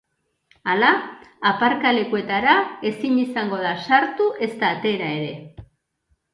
Hala, aparkalekuetara ezin izango da sartu ezta atera ere.